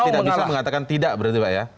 tidak bisa mengatakan tidak berarti pak ya